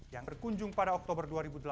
yang berkunjung pada oktober dua ribu delapan belas